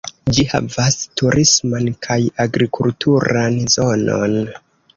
Ĝi havas turisman kaj agrikulturan zonon.